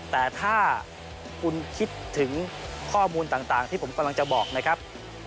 แต่ถ้าคุณคิดถึงข้อมูลต่างที่ผมกำลังจะบอกนะครับ